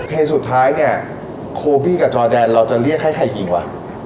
เหตุสุดท้ายเนี่ยโคบี้กับจอแดนเราจะเรียกให้ใครยิงวะ